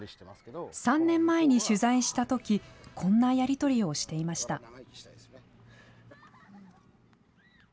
３年前に取材したとき、こんなやり取りをしていました。